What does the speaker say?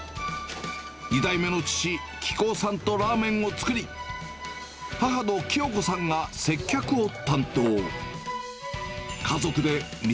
２代目の父、喜久雄さんとラーメンを作り、母のきよ子さんが接客を担当。